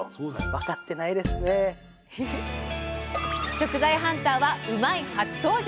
食材ハンターは「うまいッ！」初登場！